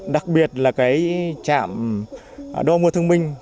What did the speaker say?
đặc biệt là trạm đo mưa thông minh